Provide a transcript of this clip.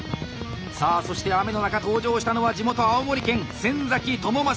さあそして雨の中登場したのは地元青森県先倫正３０歳。